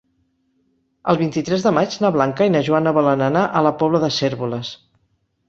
El vint-i-tres de maig na Blanca i na Joana volen anar a la Pobla de Cérvoles.